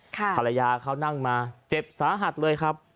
ภรรยาเขานั่งมาเจ็บสาหัสเลยครับ